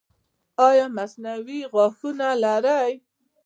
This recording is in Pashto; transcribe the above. ایا مصنوعي غاښونه لرئ؟